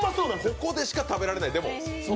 ここでしか食べられない。